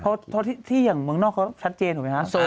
เพราะที่อย่างเมืองนอกเขาชัดเจนถูกไหมคะ